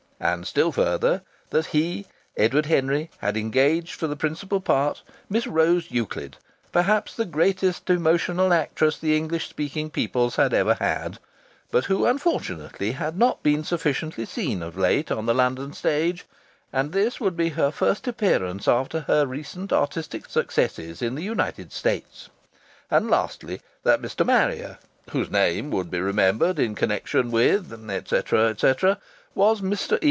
And still further that he, Edward Henry, had engaged for the principal part Miss Rose Euclid, perhaps the greatest emotional actress the English speaking peoples had ever had, but who unfortunately had not been sufficiently seen of late on the London stage, and that this would be her first appearance after her recent artistic successes in the United States. And lastly that Mr. Marrier (whose name would be remembered in connection with ... etc., etc.) was Mr. E.